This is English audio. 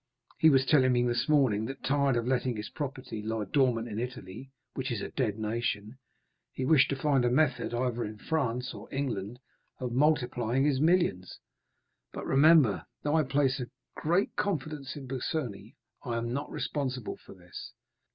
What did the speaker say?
He was telling me this morning that, tired of letting his property lie dormant in Italy, which is a dead nation, he wished to find a method, either in France or England, of multiplying his millions, but remember, that though I place great confidence in Busoni, I am not responsible for this."